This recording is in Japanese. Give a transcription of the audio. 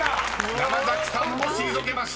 山崎さんも退けました］